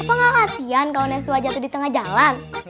pa nggak kasian kalau neswa jatuh di tengah jalan